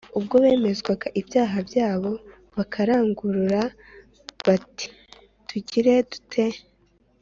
ubwo bemezwaga ibyaha byabo bakarangurura bati:”Tugire dute?